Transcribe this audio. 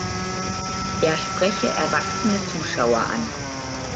Er spreche erwachsene Zuschauer an.